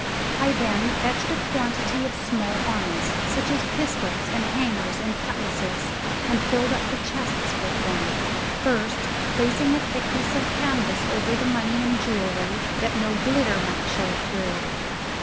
I then fetched a quantity of small arms, such as pistols and hangers and cutlasses, and filled up the chests with them, first placing a thickness of canvas over the money and jewellery, that no glitter might show through.